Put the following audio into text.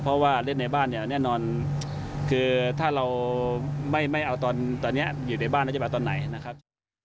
เพราะว่าเล่นในบ้านเนี่ยแน่นอนคือถ้าเราไม่เอาตอนนี้อยู่ในบ้านแล้วจะไปเอาตอนไหนนะครับ